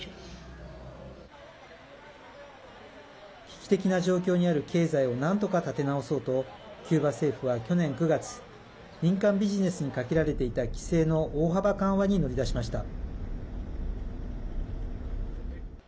危機的な状況にある経済をなんとか立て直そうとキューバ政府は去年９月民間ビジネスにかけられていた規制の大幅緩和に乗り出しました。